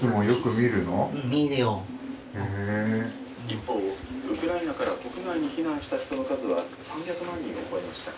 「一方ウクライナから国外に避難した人の数は３００万人を超えました」。